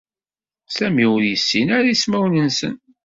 Sami ur yessin ara ismawen-nsen.